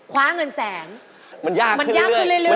คว้าเงินแสนมันยากมันยากขึ้นเรื่อย